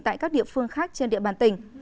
tại các địa phương khác trên địa bàn tỉnh